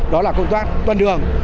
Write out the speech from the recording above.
đó là công tác tuần đường